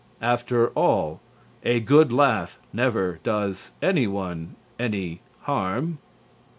After all, a good laugh never does anyone any harm.